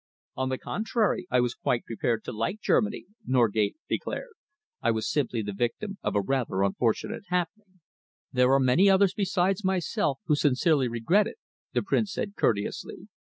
"On the contrary, I was quite prepared to like Germany," Norgate declared. "I was simply the victim of a rather unfortunate happening." "There are many others besides myself who sincerely regret it," the Prince said courteously.